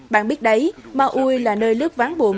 bạn biết đấy maui là nơi lướt ván buồn